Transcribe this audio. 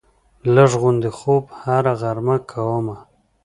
لږ غوندې خوب هره غرمه کومه